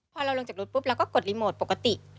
พอเราลงจากรถปุ๊บเราก็กดรีโมทปกติ